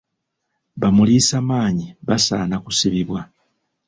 Ba muliisamaanyi basaana kusibibwa.